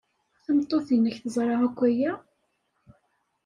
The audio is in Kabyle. Tameṭṭut-nnek teẓra akk aya?